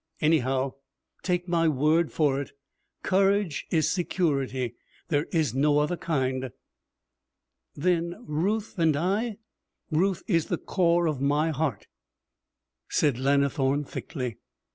Anyhow, take my word for it. Courage is security. There is no other kind.' 'Then Ruth and I ' 'Ruth is the core of my heart!' said Lannithorne thickly.